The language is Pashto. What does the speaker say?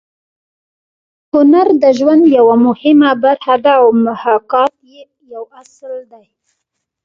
هنر د ژوند یوه مهمه برخه ده او محاکات یې یو اصل دی